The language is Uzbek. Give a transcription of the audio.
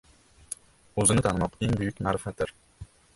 • O‘zni tanimoq, eng buyuk ma’rifatdir.